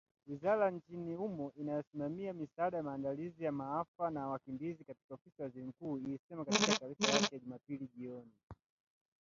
Wizara nchini humo inayosimamia misaada, maandalizi ya maafa na wakimbizi katika Ofisi ya Waziri Mkuu ilisema katika taarifa yake Jumapili jioni